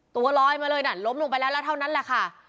ตัวลอยมาเลยน่ะล้มลงไปแล้วแล้วเท่านั้นแหละค่ะ